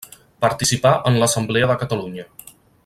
Participà en l'Assemblea de Catalunya.